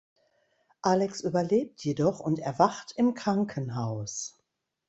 Alex überlebt jedoch und erwacht im Krankenhaus.